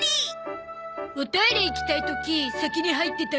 おトイレ行きたい時先に入ってたり。